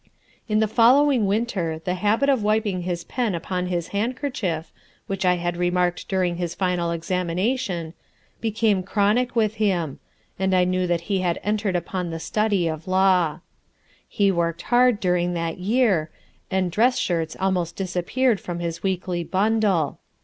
"In the following winter the habit of wiping his pen upon his handkerchief, which I had remarked during his final examination, became chronic with him, and I knew that he had entered upon the study of law. He worked hard during that year, and dress shirts almost disappeared from his weekly bundle.